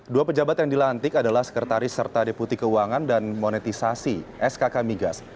dua pejabat yang dilantik adalah sekretaris serta deputi keuangan dan monetisasi skk migas